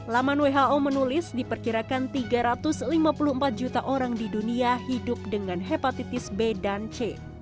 laman who menulis diperkirakan tiga ratus lima puluh empat juta orang di dunia hidup dengan hepatitis b dan c